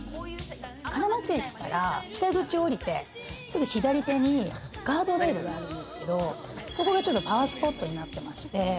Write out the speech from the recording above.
金町駅から北口を行ってすぐ左手にガードレールがあるんですけど、そこがちょっとパワースポットになってまして。